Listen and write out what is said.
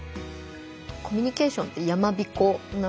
コミュニケーションってやまびこなので。